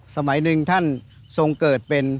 สมัยหนึ่งท่านทรงเกิดเป็น